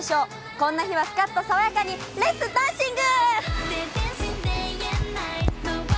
こんな日はすかっと爽やかに、レッツダンシング！